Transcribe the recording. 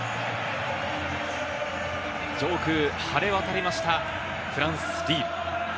上空、晴れ渡りました、フランス・リール。